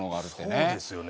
そうですよね。